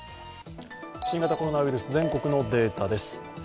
新型コロナウイルス全国のデータです。